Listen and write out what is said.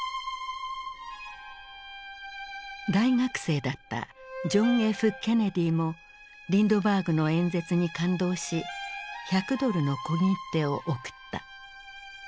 大学生だったジョン・Ｆ・ケネディもリンドバーグの演説に感動し１００ドルの小切手を送った。